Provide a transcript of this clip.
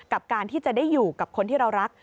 กับการที่จะได้อยู่กับคนที่เรารัก